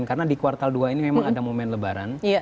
karena di kuartal dua ini memang ada momen lebaran